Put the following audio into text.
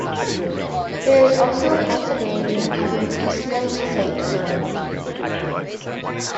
There is also a possibility of having a customized plate for a fee.